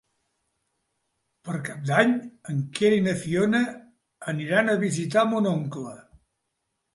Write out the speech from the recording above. Per Cap d'Any en Quer i na Fiona aniran a visitar mon oncle.